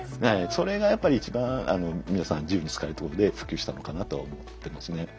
それがやっぱり一番皆さん自由に使えるってことで普及したのかなとは思ってますね。